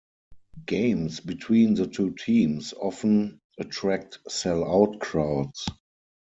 Games between the two teams often attract sell-out crowds.